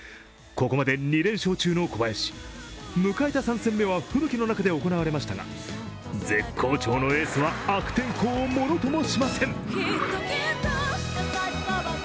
ここまで２連勝中の小林、迎えた３戦目は吹雪の中で行われましたが絶好調のエースは悪天候をものともしません。